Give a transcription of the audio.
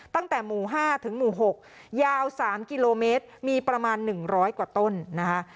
ตั้งแต่หมู่๕ถึงหมู่๖ยาว๓กิโลเมตรมีประมาณ๑๐๐กว่าต้นนะคะ